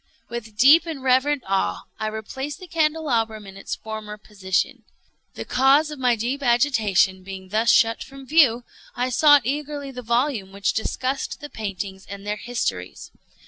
With deep and reverent awe I replaced the candelabrum in its former position. The cause of my deep agitation being thus shut from view, I sought eagerly the volume which discussed the paintings and their histories.